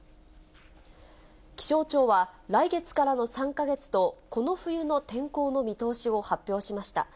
気象庁は、来月からの３か月とこの冬の天候の見通しを発表しました。